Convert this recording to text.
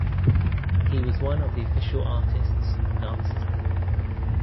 He was one of the official artists of Nazism.